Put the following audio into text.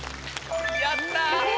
やった。